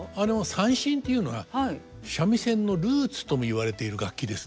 三線っていうのは三味線のルーツとも言われている楽器ですね。